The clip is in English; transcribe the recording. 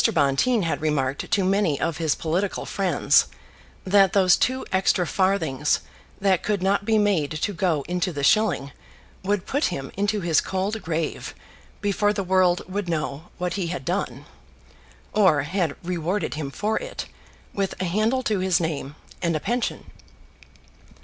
Bonteen had remarked to many of his political friends that those two extra farthings that could not be made to go into the shilling would put him into his cold grave before the world would know what he had done, or had rewarded him for it with a handle to his name, and a pension.